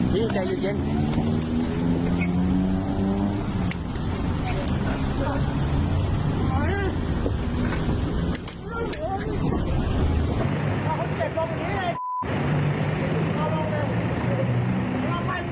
นี่แกหยุดเย็น